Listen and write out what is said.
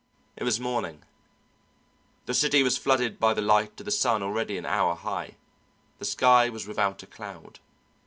It was morning; the city was flooded by the light of the sun already an hour high. The sky was without a cloud.